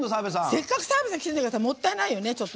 せっかく澤部さん来てるんだからもったいないよね。